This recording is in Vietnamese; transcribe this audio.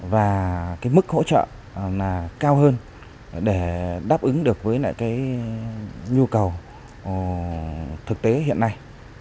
và cái mức hỗ trợ là cao hơn để đáp ứng được với lại cái nhu cầu thực tế hiện nay